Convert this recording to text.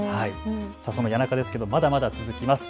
その谷中ですがまだまだ続きます。